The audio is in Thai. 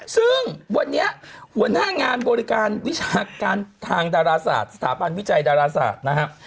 ซึ่งวันนี้หัวหน้างานบริการวิชาการทางดาราศาสตร์สถาบันวิจัยดาราศาสตร์นะครับ